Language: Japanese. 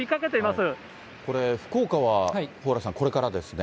これ、福岡は蓬莱さん、これからですね。